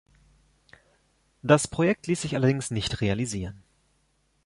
Das Projekt ließ sich allerdings nicht realisieren.